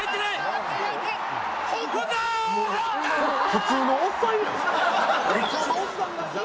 普通のおっさんやん。